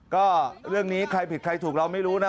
ก็เรื่องนี้ใครผิดใครถูกเราไม่รู้นะ